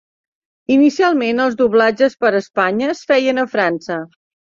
Inicialment els doblatges per a Espanya es feien a França.